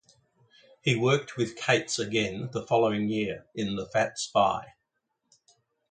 He worked with Cates again the following year in "The Fat Spy".